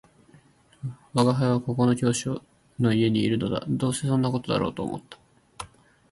「吾輩はここの教師の家にいるのだ」「どうせそんな事だろうと思った